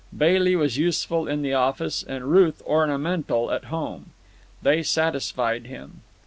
Bailey was useful in the office, and Ruth ornamental at home. They satisfied him.